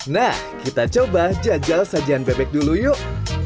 nah kita coba jajal sajian bebek dulu yuk